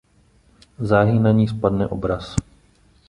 Záhy na ni spadne obraz.